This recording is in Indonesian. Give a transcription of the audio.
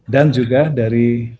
dan juga dari